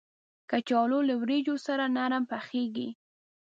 کچالو له وریجو سره نرم پخېږي